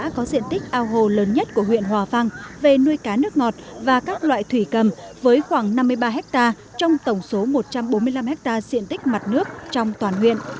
hồ nước có diện tích ao hồ lớn nhất của huyện hòa vang về nuôi cá nước ngọt và các loại thủy cầm với khoảng năm mươi ba hectare trong tổng số một trăm bốn mươi năm ha diện tích mặt nước trong toàn huyện